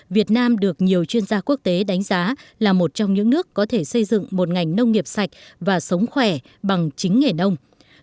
việt nam được nhiều chuyên gia quốc tế đánh giá là một trong những nước có thể xây dựng một ngành nông nghiệp sạch và sống khỏe bằng chính nghề nông